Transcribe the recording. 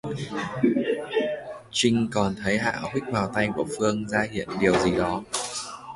Trinh còn thấy Hạ huých vào tay của Phương ra hiệu điều gì đó